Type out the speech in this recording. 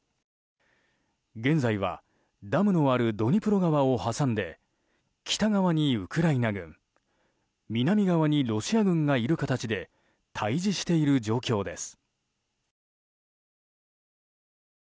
現在はダムのあるドニプロ川を挟んで北側にウクライナ軍南側にロシア軍がいる形で対峙している状況です。